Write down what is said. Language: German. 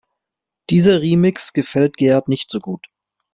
Dieser Remix gefällt Gerald nicht so gut.